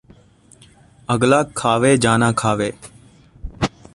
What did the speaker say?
ਅਗਲਾ ਖਾਵੇ ਜਾਂ ਨਾ ਖਾਵੇ